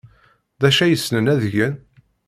D acu ay ssnen ad gen?